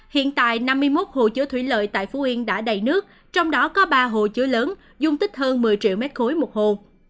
hiện tại năm mươi một hồ chứa thủy lợi tại phú yên đã đầy nước trong đó có ba hồ chứa lớn dung tích hơn một mươi triệu m ba một hồ